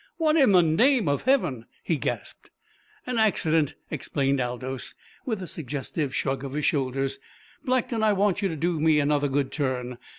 "What in the name of Heaven!" he gasped. "An accident," explained Aldous, with a suggestive shrug of his shoulders. "Blackton, I want you to do me another good turn.